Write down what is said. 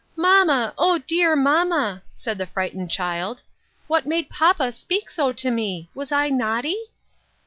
" Mamma, O, clear mamma !" said the frightened child, " what made papa speak so to me ? Was I naughty